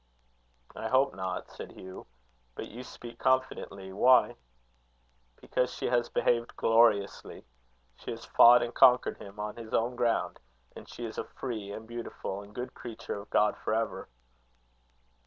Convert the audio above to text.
"I hope not," said Hugh; "but you speak confidently: why?" "Because she has behaved gloriously. She has fought and conquered him on his own ground; and she is a free, beautiful, and good creature of God for ever."